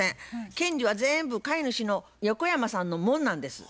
権利は全部買主の横山さんのもんなんです。